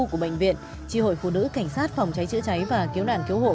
của bệnh viện tri hội phụ nữ cảnh sát phòng cháy chữa cháy và kiếu đàn kiếu hộ